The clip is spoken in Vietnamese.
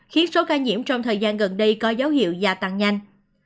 khiến số ca nhiễm trong thời gian gần đây có dấu hiệu gia tăng nhanh